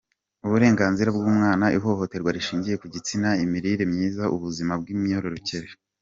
Uburenganzira bw’umwana, Ihohoterwa rishingiye ku gitsina, Imirire myiza, Ubuzima bw’imyororokere,.